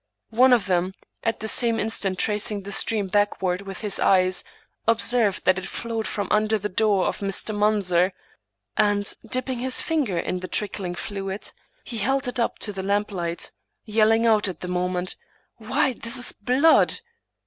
One of them, at the same instant tracing the stream backward with his ey^s, observed that it flowed from under the door of Mr. Munzer, and, dipping his finger in the trickling fluid, he held it up to the lamp light, yelling out at the moment, " Why, this is blood